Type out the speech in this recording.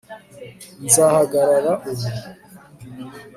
nzahagarara ubu